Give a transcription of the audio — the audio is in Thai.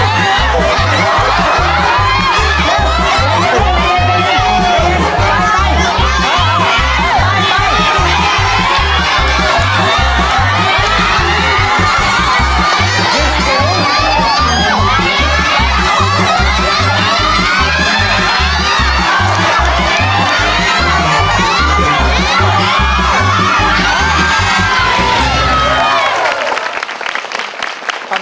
เยี่ยม